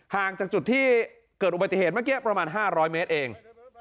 ห่างจากจุดที่เกิดอุบัติเหตุเมื่อกี้ประมาณ๕๐๐เมตรเอง